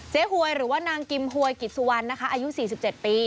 หวยหรือว่านางกิมหวยกิจสุวรรณนะคะอายุ๔๗ปี